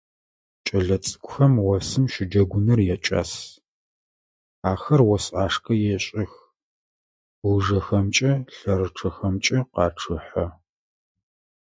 Кӏэлэцӏыкӏухэм осым щыджэгуныр якӏас: ахэр ос ӏашкӏэ ешӏэх, лыжэхэмкӏэ, лъэрычъэхэмкӏэ къачъыхьэ.